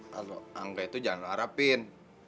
kalau angga itu jangan harapin